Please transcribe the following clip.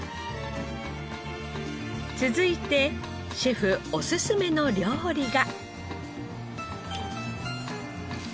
続いてシェフおすすめの料理が。